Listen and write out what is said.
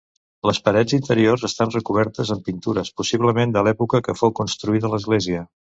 Les parets interiors estan recobertes amb pintures, possiblement de l'època que fou construïda l'església.